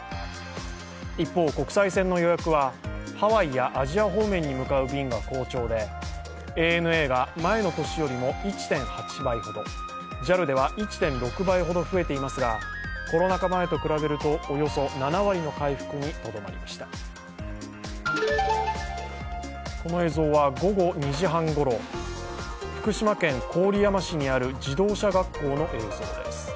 一方、国際線の予約はハワイやアジア方面に向かう便が好調でＡＮＡが前の年よりも１．８倍ほどＪＡＬでは１．６倍ほど増えていますがコロナ禍前と比べるとおよそ７割の回復にとどまりましたこの映像は午後２時半ごろ福島県郡山市にある自動車学校の映像です。